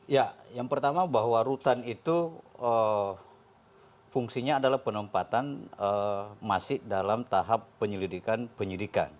ya yang pertama bahwa rutan itu fungsinya adalah penempatan masih dalam tahap penyelidikan penyidikan